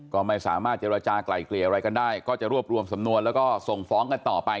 ก็ไม่สามารถเจรจากลายเกลี่ยอะไรกันได้ก็จะรวบรวมสำนวนแล้วก็ส่งฟ้องกันต่อไป